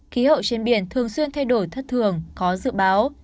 khí hậu trên biển thường xuyên thay đổi thất thường có dự báo